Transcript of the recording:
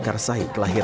masjid sunan giri